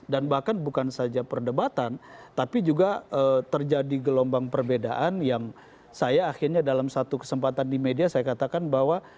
dan bahkan bukan saja perdebatan tapi juga terjadi gelombang perbedaan yang saya akhirnya dalam satu kesempatan di media saya katakan bahwa